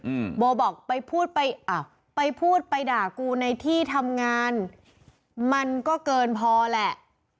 อืมโบบอกไปพูดไปอ้าวไปพูดไปด่ากูในที่ทำงานมันก็เกินพอแหละ